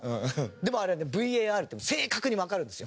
でもあれねＶＡＲで正確にわかるんですよ。